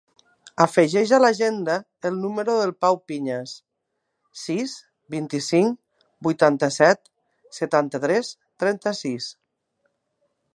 Afegeix a l'agenda el número del Pau Piñas: sis, vint-i-cinc, vuitanta-set, setanta-tres, trenta-sis.